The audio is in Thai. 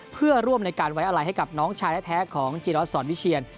เพื่อร่วมในการไว้อะไรให้กับน้องชายแท้ของจิรัสสอนวิเชียน